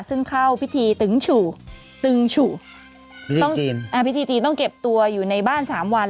ซึ่งเข้าพิธีตึงฉู่ตึงฉู่ต้องกินอ่าพิธีจีนต้องเก็บตัวอยู่ในบ้านสามวัน